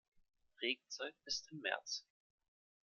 Regenzeit ist im März.